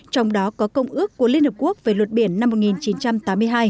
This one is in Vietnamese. trong đó có công ước của liên hợp quốc về luật biển năm một nghìn chín trăm tám mươi hai